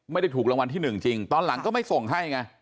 ไม่ได้ถูกรางวัลที่หนึ่งจริงตอนหลังก็ไม่ส่งให้ไง